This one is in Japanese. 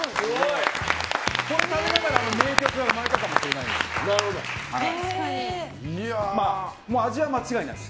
これを食べたから名曲が生まれたかもしれないです。